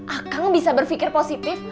akang bisa berpikir positif